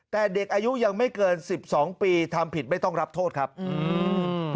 แต่เด็กอายุยังไม่เกินสิบสองปีทำผิดไม่ต้องรับโทษครับอืม